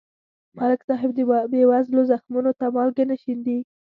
ملک صاحب د بېوزلو زخمونو ته مالګې نه شیندي.